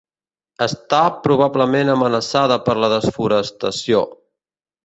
Està probablement amenaçada per la desforestació.